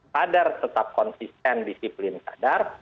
sadar tetap konsisten disiplin sadar